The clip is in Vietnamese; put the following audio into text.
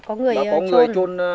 có người trôn